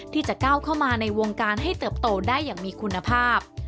ที่จะก้าวเข้ามาในวงการให้เติบโตได้อย่างมีคุณภาพ